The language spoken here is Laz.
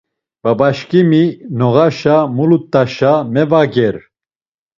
Babaşǩimi noğaşa mulut̆aşa mevager.